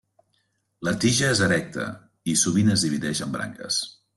La tija és erecta i sovint es divideix en branques.